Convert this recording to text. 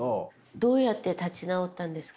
どうやって立ち直ったんですか？